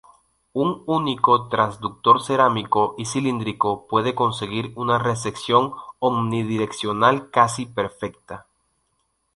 Un único transductor cerámico y cilíndrico puede conseguir una recepción omnidireccional casi perfecta.